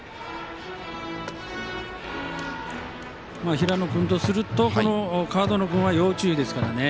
平野君とすると門野君は要注意ですからね。